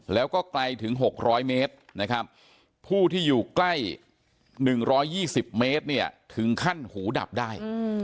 แล้วก็ไกลถึง๖๐๐เมตรนะครับผู้ที่อยู่ใกล้๑๒๐เมตรเนี่ยถึงขั้นหูดับได้